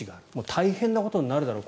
大変なことになるだろう